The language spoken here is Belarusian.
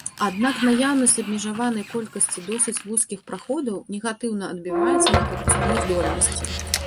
Аднак наяўнасць абмежаванай колькасці досыць вузкіх праходаў негатыўна адбіваецца на прапускной здольнасці.